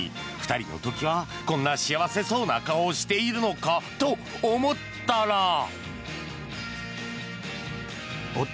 ２人の時はこんな幸せそうな顔をしているのかと思ったら。